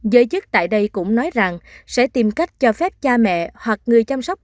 giới chức tại đây cũng nói rằng sẽ tìm cách cho phép cha mẹ hoặc người chăm sóc